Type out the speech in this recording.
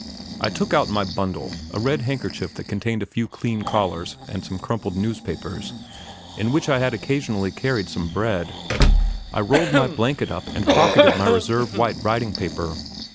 I took out my bundle, a red handkerchief that contained a few clean collars and some crumpled newspapers, in which I had occasionally carried home bread. I rolled my blanket up and pocketed my reserve white writing paper.